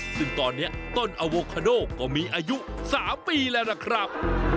ซึ่งตอนนี้ต้นอโวคาโดก็มีอายุ๓ปีแล้วล่ะครับ